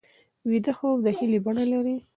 ویده خوب د هیلې بڼه لري